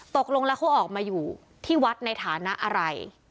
ตกลงแล้วเขาออกมาอยู่ที่วัดในฐานะอะไร